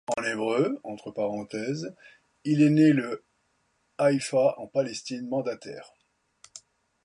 En hébreu, דן בר-און, il est né le à Haïfa en Palestine mandataire.